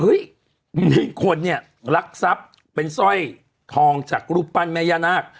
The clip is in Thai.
เฮ้ยมีคนเนี่ยรักทรัพย์เป็นแส้ทองจากรูปปั้นแม่ย่านาท